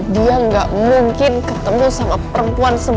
dia gak mungkin ketemu sama perempuan sebagus ini